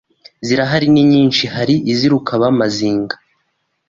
Zirahari ni nyinshi Hari iz’i Rukaba-mazinga